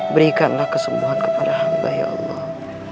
berikanlah kesembuhan kepada hamba ya allah